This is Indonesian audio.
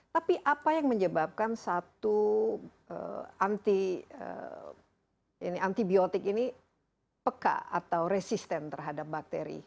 tapi apa yang menyebabkan satu antibiotik ini peka atau resisten terhadap bakteri